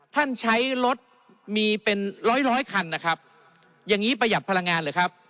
ท่านใช้รถมีเป็นร้อยร้อยคันนะครับอย่างนี้ประหยัดพลังงานเหรอครับ